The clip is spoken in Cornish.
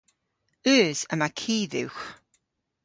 Eus. Yma ki dhywgh.